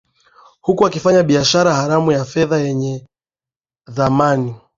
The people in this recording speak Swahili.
huku akifanya biashara haramu ya fedha yenye dhamani